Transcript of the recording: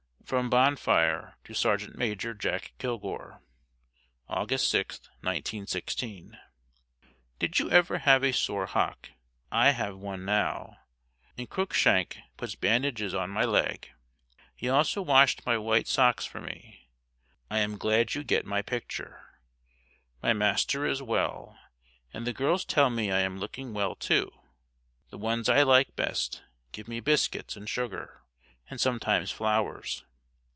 From Bonfire to Sergt. Major Jack Kilgour August 6th, 1916. Did you ever have a sore hock? I have one now, and Cruickshank puts bandages on my leg. He also washed my white socks for me. I am glad you got my picture. My master is well, and the girls tell me I am looking well, too. The ones I like best give me biscuits and sugar, and sometimes flowers.